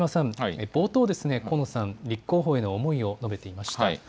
河野さん立候補への思いを述べていました。